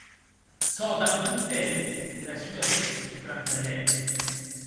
Sò tan content!, era sua votz trantalhèc.